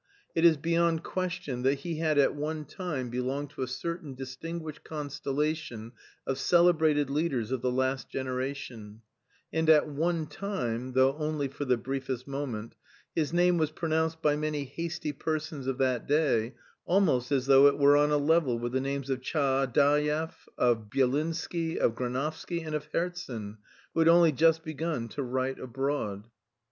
It is beyond question that he had at one time belonged to a certain distinguished constellation of celebrated leaders of the last generation, and at one time though only for the briefest moment his name was pronounced by many hasty persons of that day almost as though it were on a level with the names of Tchaadaev, of Byelinsky, of Granovsky, and of Herzen, who had only just begun to write abroad.